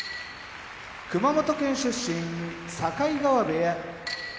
熊本県出身境川部屋